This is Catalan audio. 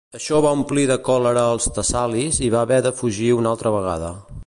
Això va omplir de còlera els tessalis i va haver de fugir una altra vegada.